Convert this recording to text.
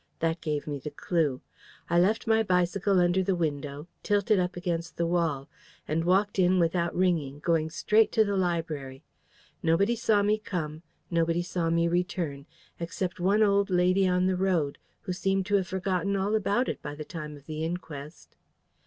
That gave me the clue. I left my bicycle under the window, tilted up against the wall, and walked in without ringing, going straight to the library. Nobody saw me come: nobody saw me return, except one old lady on the road, who seemed to have forgotten all about it by the time of the inquest."